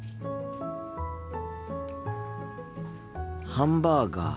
ハンバーガー。